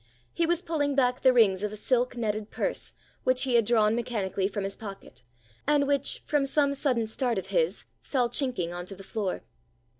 He was pulling back the rings of a silk netted purse, which he had drawn mechanically from his pocket, and which, from some sudden start of his, fell chinking on to the floor.